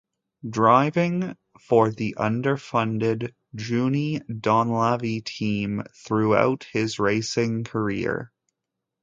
Driving for the underfunded Junie Donlavey team throughout his racing career.